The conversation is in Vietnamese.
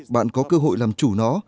bạn có cơ hội làm chủ nó